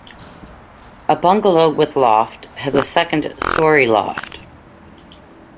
A bungalow with loft has a second-storey loft.